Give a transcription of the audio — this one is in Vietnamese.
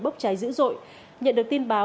bốc cháy dữ dội nhận được tin báo